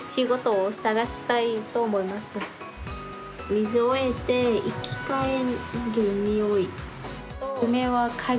「水を得て生き返るにおい」。